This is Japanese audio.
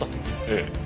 ええ。